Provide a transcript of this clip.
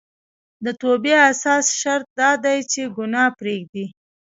د توبې اساسي شرط دا دی چې ګناه پريږدي